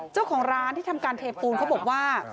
เจ้าของร้านที่ทำการเทปูนเขาบอกว่า